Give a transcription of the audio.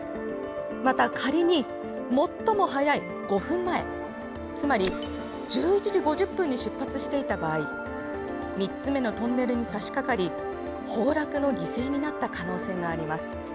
また仮に、最も早い５分前つまり１１時５０分に出発していた場合３つ目のトンネルにさしかかり崩落の犠牲になった可能性があります。